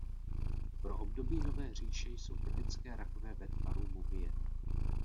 Pro období Nové říše jsou typické rakve ve tvaru mumie.